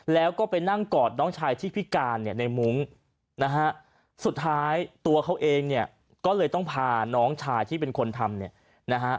แล้วก็ไปนั่งกอดน้องชายที่พิการในมุ้งสุดท้ายตัวเขาเองก็เลยต้องพาน้องชายที่เป็นคนทำ